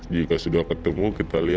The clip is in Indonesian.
jika sudah ketemu kita lihat